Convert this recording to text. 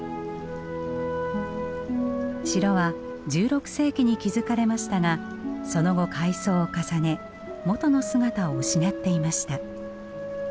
城は１６世紀に築かれましたがその後改装を重ね元の姿を失っていました。